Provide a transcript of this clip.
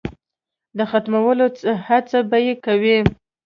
د ختمولو هڅه به یې کوي.